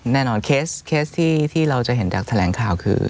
แน่นอนเคสที่เราจะเห็นจากแถลงข่าวคือ